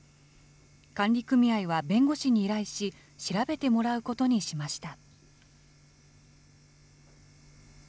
管理組合は弁護士に依頼し、調べてもらうことにしました。